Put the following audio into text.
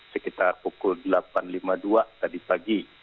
sekitar pukul delapan lima puluh dua tadi pagi